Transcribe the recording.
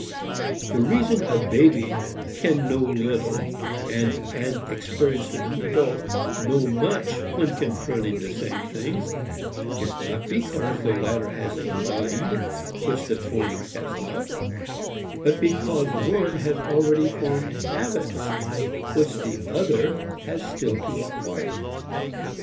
The reason a baby can know little and an experienced adult know much when confronting the same things is not because the latter has a "mind" which the former has not, but because one has already formed habits which the other has still to acquire.